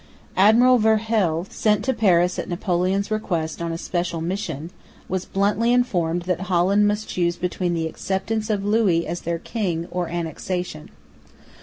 Admiral Verhuell, sent to Paris at Napoleon's request on a special mission, was bluntly informed that Holland must choose between the acceptance of Louis as their king, or annexation.